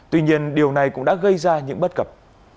tuy nhiên điều này cũng đã gây ra những bất cập